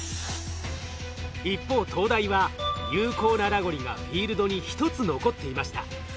一方東大は有効なラゴリがフィールドに１つ残っていました。